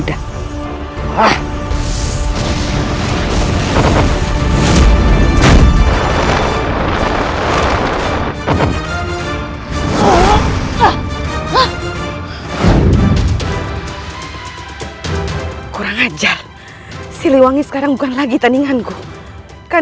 akhirnya kau mati juga